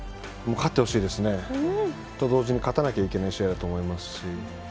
勝ってほしいですね。と同時に勝たなきゃいけない試合だと思いますし。